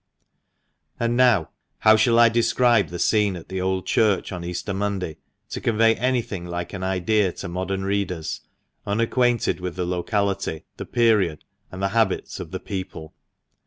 And now, how shall I describe the scene at the Old Church on Easter Monday, to convey anything like an idea to modern readers, unacquainted with the locality, the period, and the habits of the people